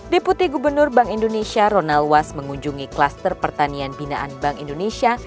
deputi gubernur bank indonesia ronaldwas mengunjungi kluster pertanian binaan bank indonesia